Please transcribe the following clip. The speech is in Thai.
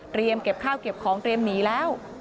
เก็บข้าวเก็บของเตรียมหนีแล้ว